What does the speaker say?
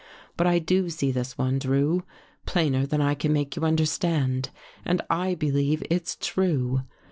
But I do see this one. Drew, plainer than I can make you understand, and I believe it's true.